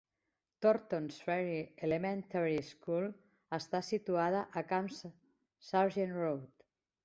Thorntons Ferry Elementary School està situada a Camp Sargent Road.